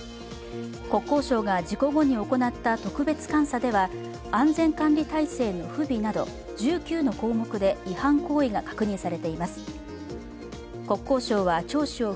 国交省が事故後に行った特別監査では安全管理体制の不備など１９の項目で違反行為が確認されています。